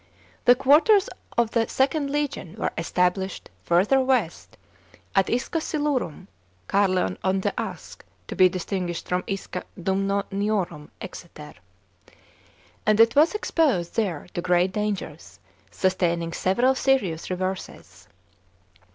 The quarters of the Ilnd legion were established further west, at Isca Silurum (Ca< rleon on the Usk, to be distinguished from Isca Durnnoniorum, Exeter), and it was exposed there to great dangers, sustaining several s^iious reverses.